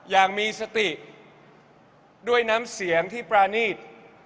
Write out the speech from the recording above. อย่างมีสติด้วยน้ำเสียงที่ปรานีต